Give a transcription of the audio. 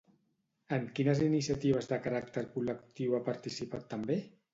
En quines iniciatives de caràcter col·lectiu ha participat també?